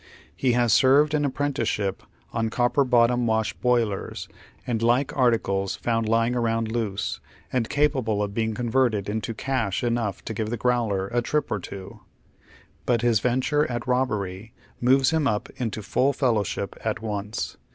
He has served an apprenticeship on copper bottom wash boilere and like oy Google 222 HOW THE OTlIEi: HALF LIVE!^. articles found lying around loose, and capable o£ being converted into cash enough to give the growler a trip or two ; but his first venture at robbery moves him up into full fellowship at once.